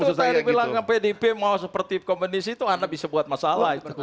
ya tapi itu tadi bilang pdip mau seperti komunis itu anda bisa buat masalah itu